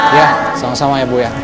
iya sama sama ya bu ya